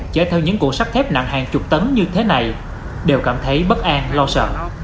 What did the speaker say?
chở theo những củ sắt thép nặng hàng chục tấn như thế này đều cảm thấy bất an lo sợ